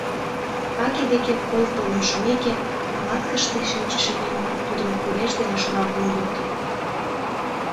Ваке деке кол толын шумеке, палаткыште шинчыше еҥ-влак тудым куреж дене шуралтен луктыт.